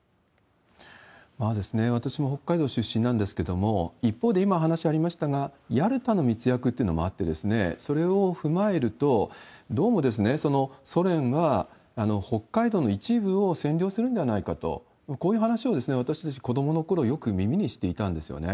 私も北海道出身なんですけれども、一方で、今お話がありましたけれども、ヤルタの密約というのもあって、それを踏まえると、どうもそのソ連は北海道の一部を占領するんではないかと、こういう話を私たち、子どものころよく耳にしていたんですよね。